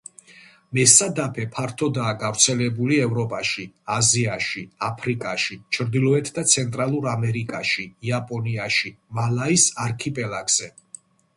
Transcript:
მესადაფე ფართოდაა გავრცელებული ევროპაში, აზიაში, აფრიკაში, ჩრდილოეთ და ცენტრალურ ამერიკაში, იაპონიაში, მალაის არქიპელაგზე.